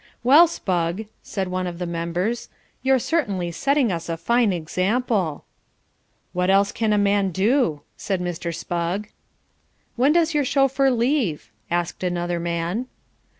"Well, Spugg," said one of the members "you're certainly setting us a fine example." "What else can a man do?" said Mr. Spugg. "When does your chauffeur leave?" asked another man.